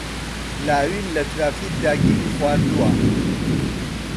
لاوین لە ترافیکدا گیری خواردووە.